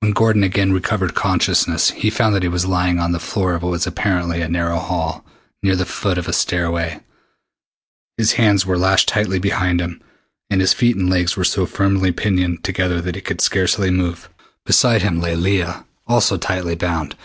When Gordon again recovered consciousness he found that he was lying on the floor of what was apparently a narrow hall, near the foot of a stairway. His hands were lashed tightly behind him, and his feet and legs were so firmly pinioned together that he could scarcely move. Beside him lay Leah, also tightly bound.